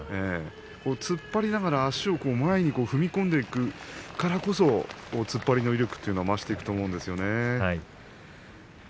突っ張りながら足を前に踏み込んでいくからこそ突っ張りの威力が増していくと思うんですよね。